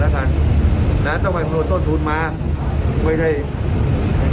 ลักษณ์ต่างจากนั้น